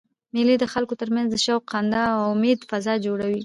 مېلې د خلکو ترمنځ د شوق، خندا او امېد فضا جوړوي.